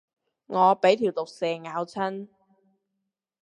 我俾條毒蛇咬親